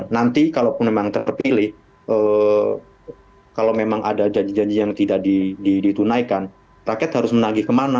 nanti kalau memang terpilih kalau memang ada janji janji yang tidak ditunaikan rakyat harus menagih kemana